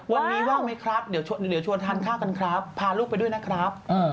วันนี้ว่างไหมครับเดี๋ยวชวนทานข้าวกันครับพาลูกไปด้วยนะครับ